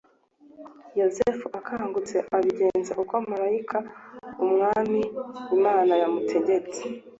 Yosefu akangutse abigenza uko marayika w’Umwami Imana yamutegetse,